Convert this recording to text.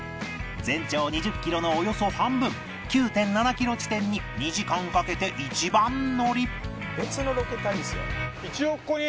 全長２０キロのおよそ半分 ９．７ キロ地点に２時間かけて一番乗り